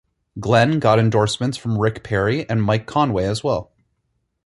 Glenn got endorsements from Rick Perry and Mike Conaway as well.